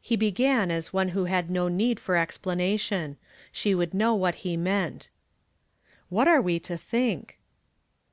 He began as one who had no need for explana tion. She would know what he meant. " What are we to think